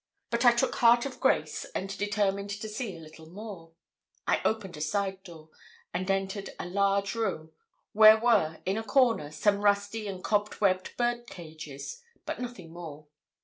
But I took heart of grace and determined to see a little more. I opened a side door, and entered a large room, where were, in a corner, some rusty and cobwebbed bird cages, but nothing more.